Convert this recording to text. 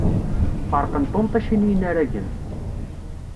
Ferqen tunṭicin i yinaragen.